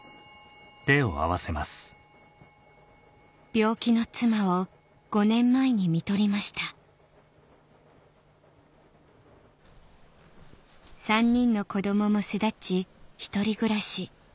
病気の妻を５年前にみとりました３人の子供も巣立ち１人暮らし